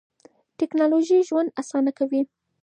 ټکنالوژي ژوند اسانه کوي.